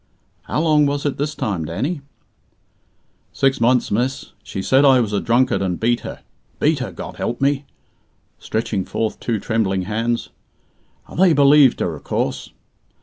"How long was it this time, Danny?" "Six months, miss. She said I was a drunkard, and beat her. Beat her, God help me!" stretching forth two trembling hands. "And they believed her, o' course.